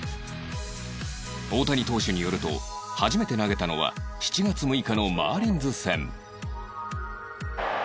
大谷投手によると初めて投げたのは７月６日のマーリンズ戦